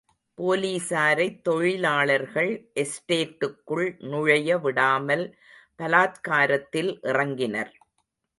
போலீசாரைத் தொழிலாளர்கள் எஸ்டேட்டுக்குள் நுழைய விடாமல் பலாத்காரத்தில் இறங்கினர்.